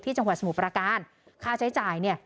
จังหวัดสมุทรประการค่าใช้จ่ายเนี่ย